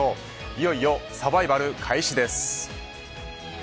いよいよサバイバル開始です。